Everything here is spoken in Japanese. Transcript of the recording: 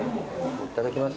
いただきます。